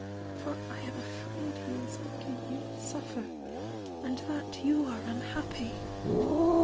For I am afraid he is making you suffer, and that you are unhappy."